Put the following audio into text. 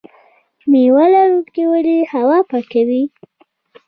میوه لرونکې ونې هوا پاکوي.